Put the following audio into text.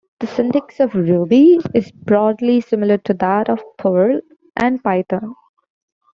The syntax of Ruby is broadly similar to that of Perl and Python.